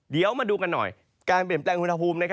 เดี๋ยวมาดูกันหน่อยการเปลี่ยนแปลงอุณหภูมิ